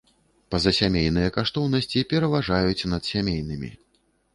Пазасямейныя каштоўнасці пераважаюць над сямейнымі.